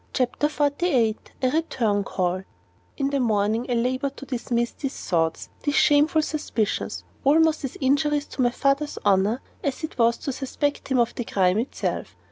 CHAPTER XLVIII A RETURN CALL In the morning I labored to dismiss these thoughts, these shameful suspicions, almost as injurious to my father's honor as it was to suspect him of the crime itself.